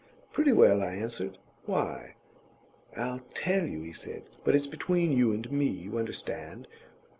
"Pretty well," I answered; "why?" "I'll tell you," he said, "but it's between you and me, you understand.